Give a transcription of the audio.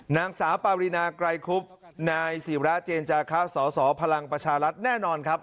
นางสาวปารีนาไกรคุบนายศิราเจนจาคะสสพลังประชารัฐแน่นอนครับ